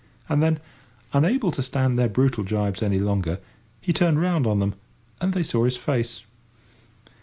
And then, unable to stand their brutal jibes any longer, he turned round on them, and they saw his face!